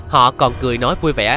họ còn cười nói vui vẻ